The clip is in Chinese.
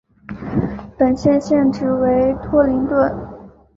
本县县治为托灵顿。